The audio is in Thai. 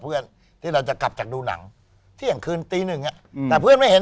เพื่อนที่เราจะกลับจากดูหนังเที่ยงคืนตีหนึ่งแต่เพื่อนไม่เห็น